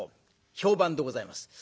評判でございます。